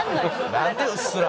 なんでうっすら。